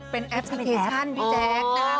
เป็นแอปพิเศษพี่แจ็คนะครับ